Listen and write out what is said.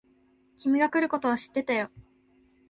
君が来ることは知ってたよ。